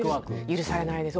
許されないです。